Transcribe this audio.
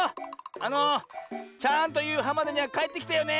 あのちゃんとゆうはんまでにはかえってきてよね。